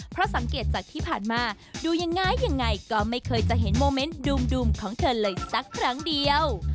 เพราะสังเกตจากที่ผ่านมาดูยังไงยังไงก็ไม่เคยจะเห็นโมเมนต์ดูมของเธอเลยสักครั้งเดียว